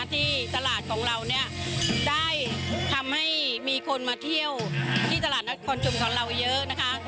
ที่ตลาดของเราเนี่ยได้ทำให้มีคนมาเที่ยวที่ตลาดนัดคอนชุมของเราเยอะนะคะ